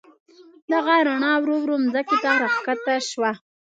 دغه رڼا ورو ورو مځکې ته راکښته شول.